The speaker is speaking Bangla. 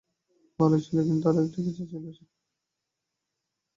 ভালুক ছিল, কিন্তু আরো কিছু একটা ছিল, আর সেটা বিশালদেহী।